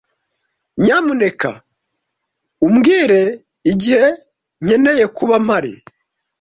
Nyamuneka umbwire igihe nkeneye kuba mpari.